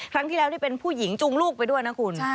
ครั้งที่แล้วนี่เป็นผู้หญิงจูงลูกไปด้วยนะคุณ